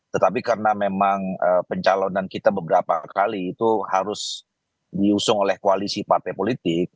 tetapi karena memang pencalonan kita beberapa kali itu harus diusung oleh koalisi partai politik